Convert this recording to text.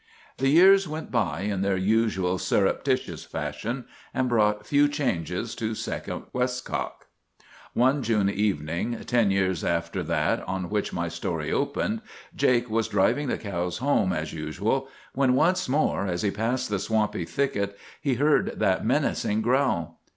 "The years went by in their usual surreptitious fashion, and brought few changes to Second Westcock. One June evening, ten years after that on which my story opened, Jake was driving the cows home as usual, when once more, as he passed the swampy thicket, he heard that menacing growl.